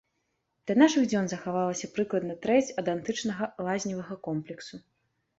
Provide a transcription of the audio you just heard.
Да нашых дзён захавалася прыкладна трэць ад антычнага лазневага комплексу.